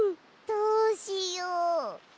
どうしよう。